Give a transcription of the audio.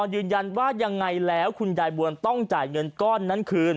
ยืนยันว่ายังไงแล้วคุณยายบวนต้องจ่ายเงินก้อนนั้นคืน